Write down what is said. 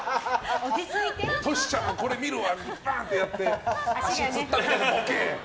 トシちゃんがこれ見るわって言ってバンってやって足つったっていうボケ。